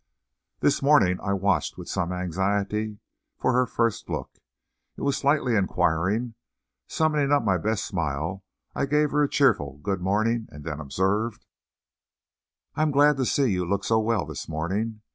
This morning I watched with some anxiety for her first look. It was slightly inquiring. Summoning up my best smile, I gave her a cheerful good morning, and then observed: "I am glad to see you look so well this morning!